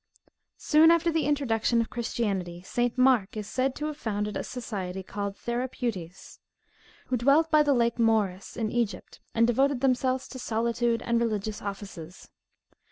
Soon after the introduction of Christianity, St. Mark is said to have founded a society called Therapeutes, who dwelt by the lake Moeris in Egypt, and devoted themselves to solitude and religious offices.